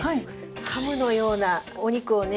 ハムのようなお肉をね